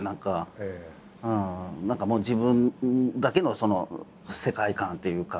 何かもう自分だけの世界観っていうか。